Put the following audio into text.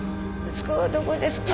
息子はどこですか？